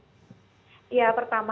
terkait dengan eksistensi peraturan kpu ya